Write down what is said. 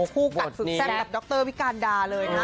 คู่กัดสุดแซ่บกับดรวิการดาเลยนะ